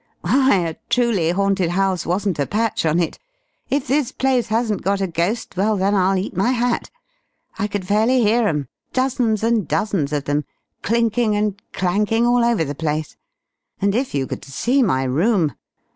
"Why, a truly haunted house wasn't a patch on it! If this place hasn't got a ghost, well then I'll eat my hat! I could fairly hear 'em, dozens and dozens of them, clinking and clanking all over the place. And if you could see my room!